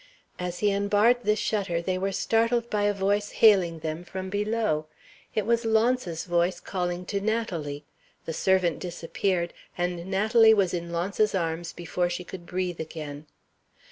As he unbarred the shutter they were startled by a voice hailing them from below. It was Launce's voice calling to Natalie. The servant disappeared, and Natalie was in Launce's arms before she could breathe again.